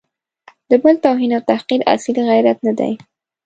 د بل توهین او تحقیر اصیل غیرت نه دی.